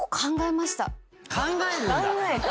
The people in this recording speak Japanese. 考えるんだ！